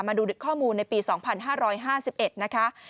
มาดูข้อมูลในปี๒๕๕๑นะคะ